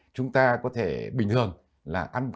chúng ta có thể bình thường là ăn cái gì